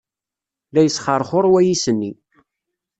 La yesxerxur wayis-nni.